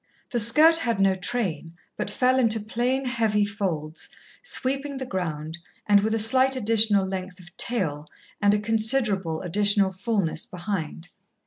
The skirt had no train, but fell into plain, heavy folds, sweeping the ground, and with a slight additional length of "tail," and a considerable additional fulness behind.